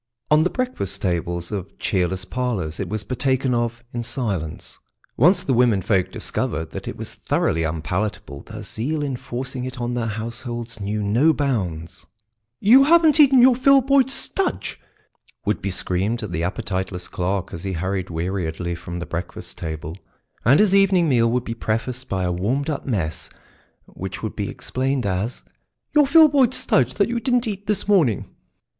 On the breakfast tables of cheerless parlours it was partaken of in silence. Once the womenfolk discovered that it was thoroughly unpalatable, their zeal in forcing it on their households knew no bounds. "You haven't eaten your Filboid Studge!" would be screamed at the appetiteless clerk as he hurried weariedly from the breakfast table, and his evening meal would be prefaced by a warmed up mess which would be explained as "your Filboid Studge that you didn't eat this morning."